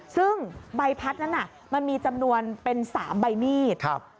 ซึ่งใบพัดนั้นมันมีจำนวนเป็น๓ใบมีด